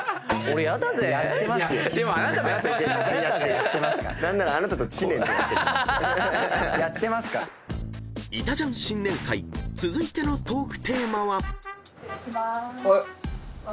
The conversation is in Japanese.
［『いたジャン』新年会続いてのトークテーマは］